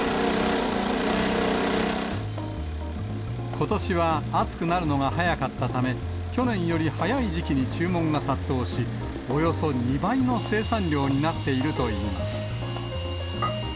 ことしは暑くなるのが早かったため、去年より早い時期に注文が殺到し、およそ２倍の生産量になっているといいます。